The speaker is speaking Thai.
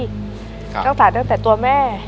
ก็ผ่าตัดตั้งแต่ตัวแม่